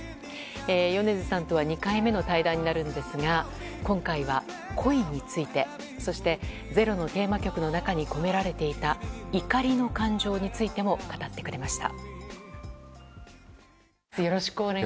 米津さんとは２回目の対談になるんですが今回は、恋についてそして「ｚｅｒｏ」のテーマ曲の中に込められていた怒りの感情についても語ってくれました。